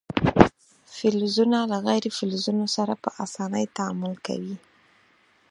فلزونه له غیر فلزونو سره په اسانۍ تعامل کوي.